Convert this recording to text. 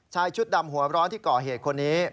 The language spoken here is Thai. ชุดดำหัวร้อนที่ก่อเหตุคนนี้